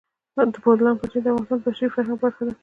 د بولان پټي د افغانستان د بشري فرهنګ برخه ده.